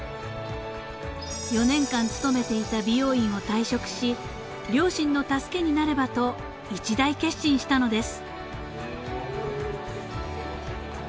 ［４年間勤めていた美容院を退職し両親の助けになればと一大決心したのです］